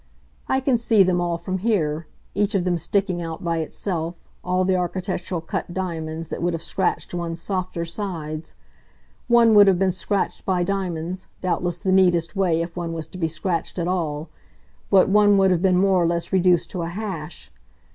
I can see them all from here each of them sticking out by itself all the architectural cut diamonds that would have scratched one's softer sides. One would have been scratched by diamonds doubtless the neatest way if one was to be scratched at all but one would have been more or less reduced to a hash.